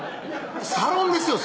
サロンですよ